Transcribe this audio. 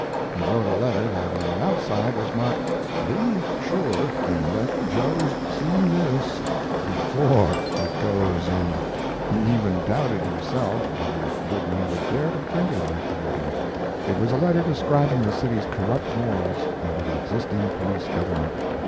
He wrote a letter that on the outside was marked, "Be sure and let Joe see this before it goes in." He even doubted himself whether Goodman would dare to print it, after reading. It was a letter describing the city's corrupt morals under the existing police government.